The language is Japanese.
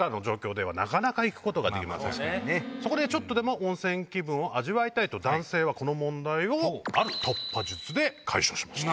そこでちょっとでも温泉気分を味わいたいと男性はこの問題をある突破術で解消しました。